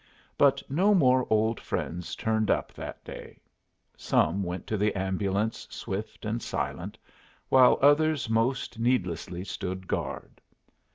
But no more old friends turned up that day. Some went to the ambulance swift and silent, while others most needlessly stood guard.